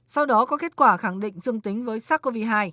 sau đó có kết quả khẳng định dương tính với sars cov hai